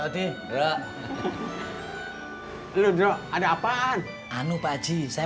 udah bikin continued